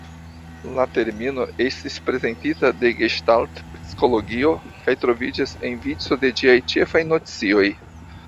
La termino estis prezentita de geŝtalt-psikologio kaj troviĝas en vico de ĝiaj ĉefaj nocioj.